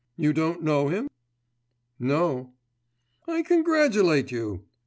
You don't know him?' 'No.' 'I congratulate you.